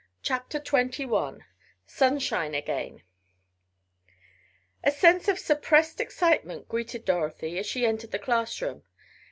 CHAPTER XXI SUNSHINE AGAIN A sense of suppressed excitement greeted Dorothy as she entered the classroom.